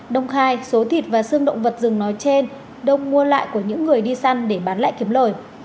đông khai số thịt và xương động vật rừng nói trên đông mua lại của những người đi săn để bán lại kiếm lời